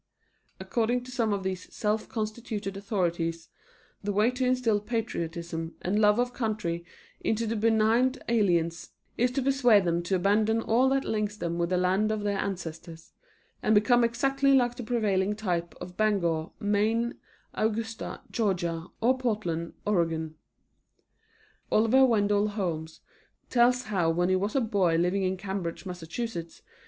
According to some of these self constituted authorities the way to instill patriotism and love of country into the benighted aliens is to persuade them to abandon all that links them with the land of their ancestors, and become exactly like the prevailing type of Bangor, Maine, Augusta, Georgia, or Portland, Oregon. Oliver Wendell Holmes tells how when he was a boy living in Cambridge, Mass.